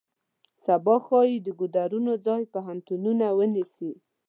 سبا ښایي د ګودرونو ځای پوهنتونونه ونیسي.